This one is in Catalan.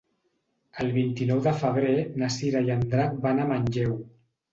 El vint-i-nou de febrer na Cira i en Drac van a Manlleu.